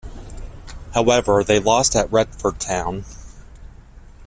However, they lost at Retford Town.